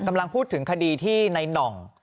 กำลังพูดถึงคดีที่ในหน่อง